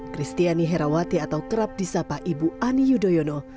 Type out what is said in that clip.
kristiani herawati atau kerap disapa ibu ani yudhoyono